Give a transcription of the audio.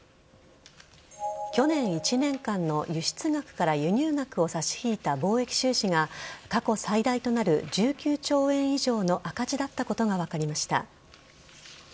去年１年間の輸出額から輸入額を差し引いた貿易収支が過去最大となる１９兆円以上の赤字だったことが分かりました。